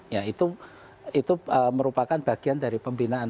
ya itu merupakan bagian dari pembinaan